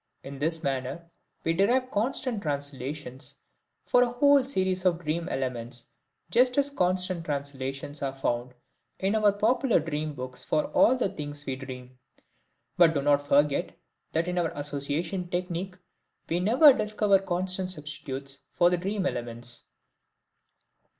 In this manner we derive constant translations for a whole series of dream elements just as constant translations are found in our popular dream books for all the things we dream. But do not forget that in our association technique we never discover constant substitutes for the dream elements.